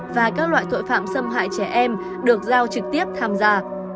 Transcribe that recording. và các loại tội phạm xâm hại trẻ em được giao trực tiếp tham gia